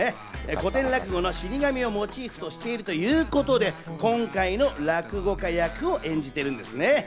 古典落語の「死神」をモチーフとしているということで、今回の落語家役を演じているんです。